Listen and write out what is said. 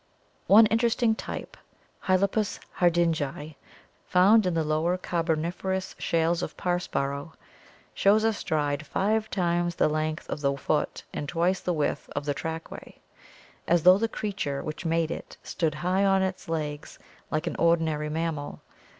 One interesting type, Hylopus hardingi, found in the Lower Car boniferous shales of Parrsboro, shows a stride five times the length of the foot and twice the width of the trackway, as though the crea ture which made it stood high on its legs like an ordinary mammal.